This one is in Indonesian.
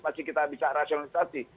pasti kita bisa rasionalisasi